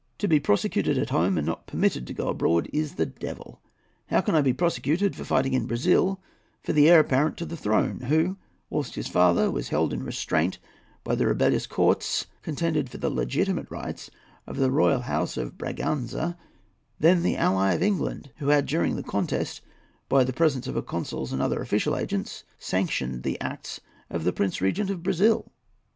To be prosecuted at home, and not permitted to go abroad, is the devil. How can I be prosecuted for fighting in Brazil for the heir apparent to the throne, who, whilst his father was held in restraint by the rebellious Cortes, contended for the legitimate rights of the royal House of Braganza, then the ally of England, who had, during the contest, by the presence of her consuls and other official agents, sanctioned the acts of the Prince Regent of Brazil?"